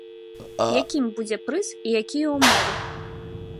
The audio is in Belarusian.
Якім будзе прыз і якія ўмовы?